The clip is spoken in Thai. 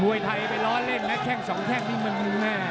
มวยไทยไปล้อเล่นนะแค่ง๒แค่งนี้มันรู้แน่